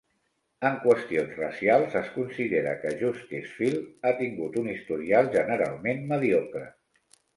En qüestions racials, es considera que Justice Field ha tingut un historial generalment mediocre.